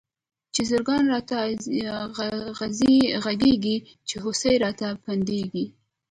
چی زرکان راته غږيږی، چی هوسۍ راته پنډيږی